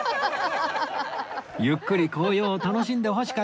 ゆっくり紅葉を楽しんでほしかったんですよ